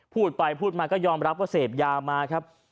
พูดไปพูดมาก็ยอมรับว่าเสพยามาครับ